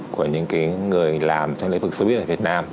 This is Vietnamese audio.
của những cái người làm trong lĩnh vực swiss ở việt nam